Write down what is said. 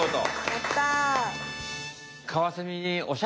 やった！